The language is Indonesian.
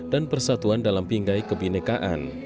dan persatuan dalam pinggai kebinekaan